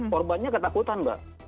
korbannya ketakutan bang